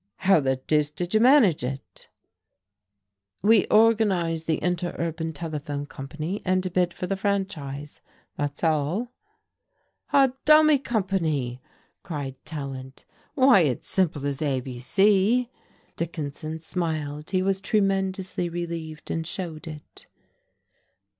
"How the deuce did you manage it?" "We organize the Interurban Telephone Company, and bid for the franchise that's all." "A dummy company!" cried Tallant. "Why, it's simple as ABC!" Dickinson smiled. He was tremendously relieved, and showed it.